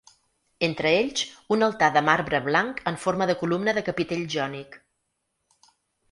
Entre ells, un altar de marbre blanc en forma de columna de capitell jònic.